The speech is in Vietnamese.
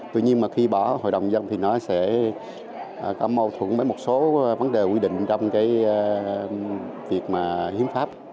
tuy nhiên khi bỏ hội đồng nhân dân thì nó sẽ có mâu thuẫn với một số vấn đề quy định trong việc hiếm pháp